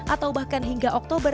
atau bahkan hingga oktober